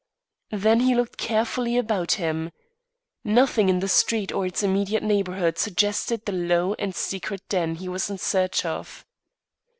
Then he looked carefully about him. Nothing in the street or its immediate neighbourhood suggested the low and secret den he was in search of.